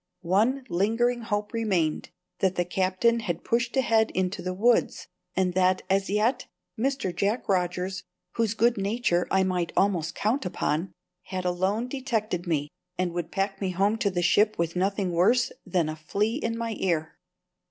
One lingering hope remained that the Captain had pushed ahead into the woods, and that, as yet, Mr. Jack Rogers (whose good nature I might almost count upon) had alone detected me and would pack me home to the ship with nothing worse than a flea in my ear.